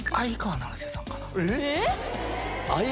えっ⁉